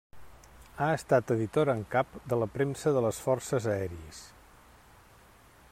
Ha estat editora en cap de la Premsa de les Forces Aèries.